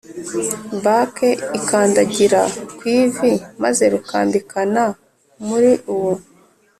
bak ikandagira ku ivi m aze ruka mbika na muri uwo